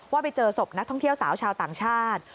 ไปเจอศพนักท่องเที่ยวสาวชาวต่างชาติ